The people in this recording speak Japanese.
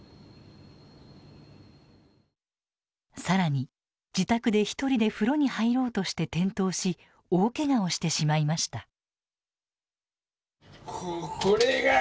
更に自宅で一人で風呂に入ろうとして転倒し大けがをしてしまいました。